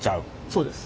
そうです。